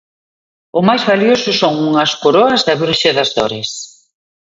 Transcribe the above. O máis valioso son unhas coroas da virxe das Dores.